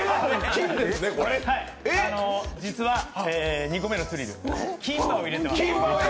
はい、実は２個目のスリル金歯を入れてます。